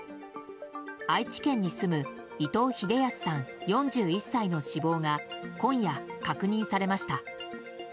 愛知県に住む伊東秀恭さん、４１歳の死亡が今夜、確認されました。